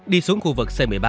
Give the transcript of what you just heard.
đi xuống khu vực c một mươi ba